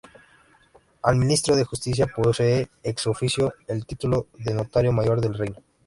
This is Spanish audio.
Al ministro de Justicia posee ex officio el título de Notario Mayor del Reino.